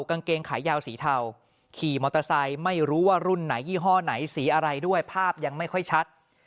กางเกงขายาวสีเทาขี่มอเตอร์ไซค์ไม่รู้ว่ารุ่นไหนยี่ห้อไหนสีอะไรด้วยภาพยังไม่ค่อยชัด